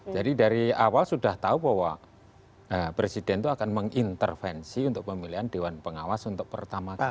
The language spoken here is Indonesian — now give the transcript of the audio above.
jadi dari awal sudah tahu bahwa presiden itu akan mengintervensi untuk pemilihan dewan pengawas untuk pertama kali